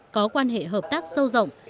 có quan hệ hợp tác sâu rộng